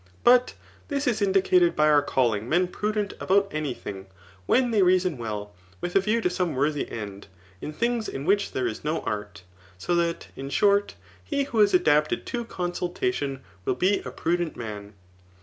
But this is indicated by our calling men prudent about any thing, when they reason well, with a view to some worthy end, in things in which there is no art. So that, in short, he who is adapted to consultation will be a prudent man.